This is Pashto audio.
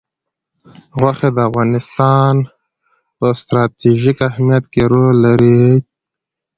غوښې د افغانستان په ستراتیژیک اهمیت کې رول لري.